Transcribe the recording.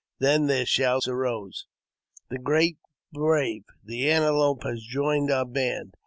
Then their shouts Arose, '' The great brave, the Antelope, has joined our band